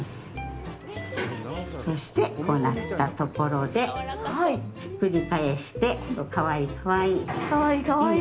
そして、こうなったところでひっくり返して、かわいい、かわいい。